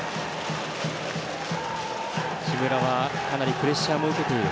木村は、かなりプレッシャーも受けている。